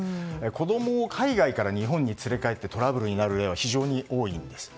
子供を海外から日本に連れ帰ってトラブルになる例は非常に多いんです。